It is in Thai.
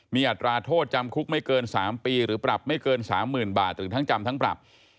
มีอัตราโทษจำคุกไม่เกิน๓ปีหรือปรับไม่เกิน๓๐๐๐บาทหรือทั้งจำทั้งปรับ